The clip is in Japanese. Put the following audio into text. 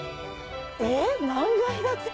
えっ何階建て？